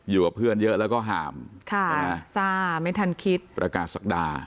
อยู่กับเพื่อนเยอะแล้วก็ห่ามค่ะซ่าไม่ทันคิดประกาศศักดา